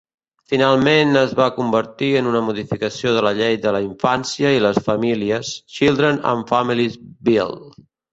Finalment es va convertir en una modificació de la llei de la Infància i les Famílies (Children and Families Bill).